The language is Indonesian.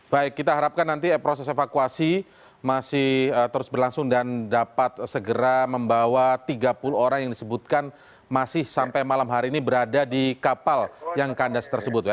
baik kita harapkan nanti proses evakuasi masih terus berlangsung dan dapat segera membawa tiga puluh orang yang disebutkan masih sampai malam hari ini berada di kapal yang kandas tersebut